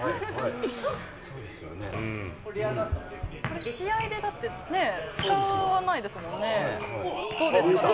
これ、試合で、だってね、使わないですもんね。